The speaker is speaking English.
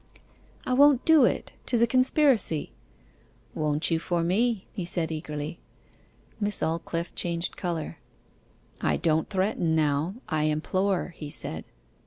'I won't do it 'tis a conspiracy.' 'Won't you for me?' he said eagerly. Miss Aldclyffe changed colour. 'I don't threaten now, I implore,' he said.